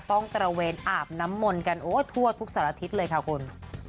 ต้องเตระเวนอาบน้ำมนต์กันทั่วทุกสัตว์อาทิตย์เลยค่ะคุณ